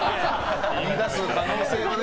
言い出す可能性がね